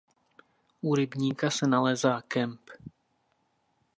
U rybníka se nalézá kemp.